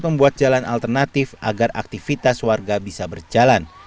membuat jalan alternatif agar aktivitas warga bisa berjalan